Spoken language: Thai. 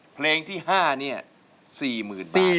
เพลงที่๕นี้๔หมื่นบาท